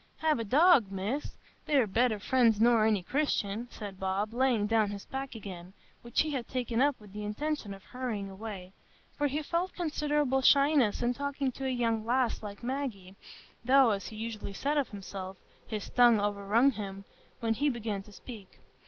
"Hev a dog, Miss!—they're better friends nor any Christian," said Bob, laying down his pack again, which he had taken up with the intention of hurrying away; for he felt considerable shyness in talking to a young lass like Maggie, though, as he usually said of himself, "his tongue overrun him" when he began to speak.